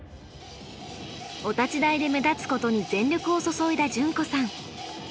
お立ち台で目立つことに全力を注いだ純子さん。